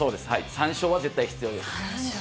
３勝は絶対必要で３勝。